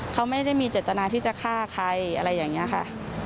เขาไม่ได้มีเจตนาที่จะฆ่าใครอะไรอย่างนี้ค่ะ